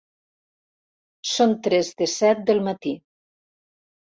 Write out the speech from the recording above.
Són tres de set del matí.